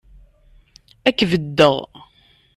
Ad k-beddeɣ.